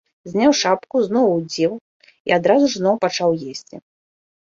Зняў шапку, зноў уздзеў і адразу ж зноў пачаў есці.